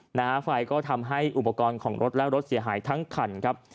หน้าไฟก็ทำให้อุปกรณ์ของรถและรถเสียหายทั้งคันครับ